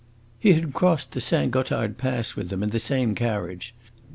He had crossed the Saint Gothard Pass with them, in the same carriage.